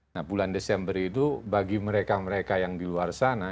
nah bulan desember itu bagi mereka mereka yang di luar sana